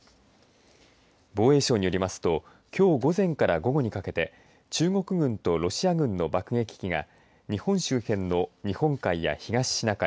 防衛省によりますときょう午前から午後にかけて中国軍とロシア軍の爆撃機が日本周辺の日本海や東シナ海